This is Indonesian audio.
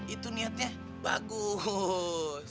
itu niatnya bagus